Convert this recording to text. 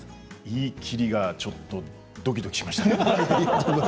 言い切りがちょっとドキドキしましたね。